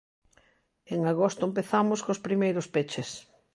En agosto empezamos cos primeiros peches.